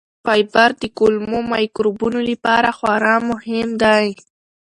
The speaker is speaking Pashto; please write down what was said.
فایبر د کولمو مایکروبونو لپاره خورا مهم دی.